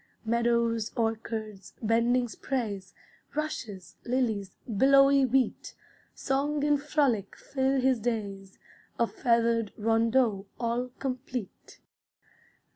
Meadows, orchards, bending sprays, Rushes, lilies, billowy wheat, Song and frolic fill his days, A feathered rondeau all complete.